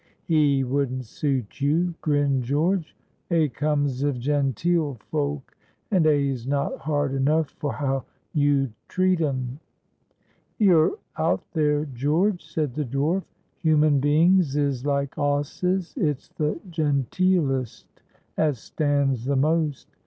"He wouldn't suit you," grinned George. "A comes of genteel folk, and a's not hard enough for how you'd treat un." "You're out there, George," said the dwarf. "Human beings is like 'osses; it's the genteelest as stands the most.